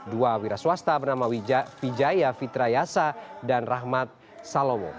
dua wiras swasta bernama wijaya fitrayasa dan rahmat salowo